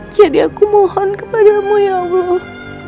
jadi aku mohon kepadamu ya allah